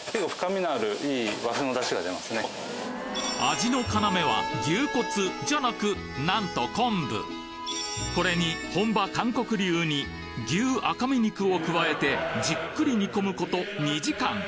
味の要は牛骨じゃなくなんと昆布これに本場・韓国流に牛赤身肉を加えてじっくり煮込むこと２時間。